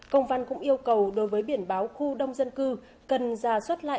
công văn cũng yêu cầu đối với biển báo khu đông dân cư cần giả soát lại toàn bộ